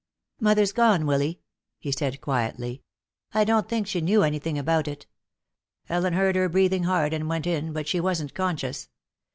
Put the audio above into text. "Mother's gone, Willy," he said quietly. "I don't think she knew anything about it. Ellen heard her breathing hard and went in, but she wasn't conscious."